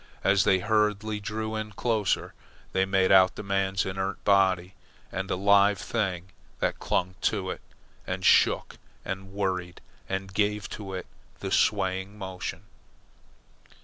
As they hurriedly drew in closer, they made out the man's inert body, and a live thing that clung to it, and shook and worried, and gave to it the swaying motion.